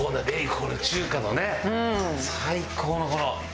この中華のね最高のこの。